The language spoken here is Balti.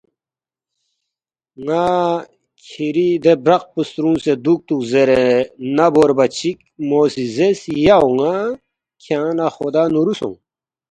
ن٘ا کِھری دی برَق پو سترُونگسے دُوکتُوک زیرے نا بوربا چِک مو سی زیرس، ”یا اون٘ا کھیانگ لہ خُدا نُورُو سونگ